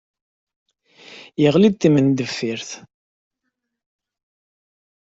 Yeɣli d timendeffirt.